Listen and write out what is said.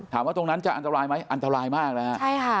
ถามว่าตรงนั้นจะอันตรายไหมอันตรายมากนะครับใช่ค่ะ